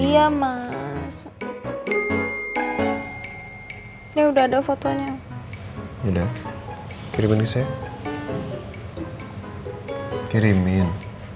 iya mas ini udah ada fotonya ya udah kirimin ke saya kirimin